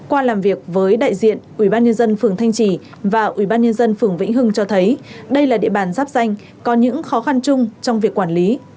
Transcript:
ủy ban nhân dân phường vĩnh hưng cho thấy đây là địa bàn giáp danh có những khó khăn chung trong việc quản lý